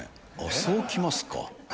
そうきますか。